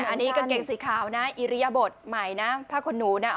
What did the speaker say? อันนี้กางเกงสีขาวนะอิริยบทใหม่นะผ้าขนหนูนะ